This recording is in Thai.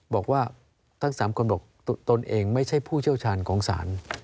บอกว่าทั้ง๓คนบอกตนเองไม่ใช่ผู้เชี่ยวชาญของศาล